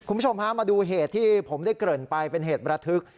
คุณผู้ชมฮะมาดูเหตุที่ผมได้เกริ่นไปเป็นเหตุประทึก